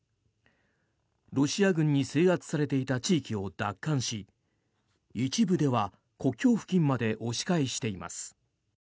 ロシア軍に制圧されていた地域を奪還し一部では国境付近まで押し返しています。